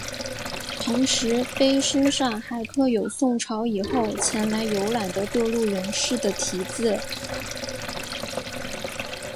同时碑身上还刻有宋朝以后前来游览的各路人士的题字。